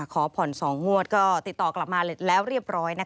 ขอผ่อน๒งวดก็ติดต่อกลับมาแล้วเรียบร้อย